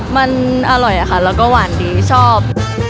มันอร่อยอะค่ะแล้วก็หวานดีชอบ